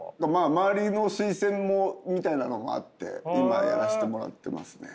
周りの推薦もみたいなのもあって今やらしてもらってますね。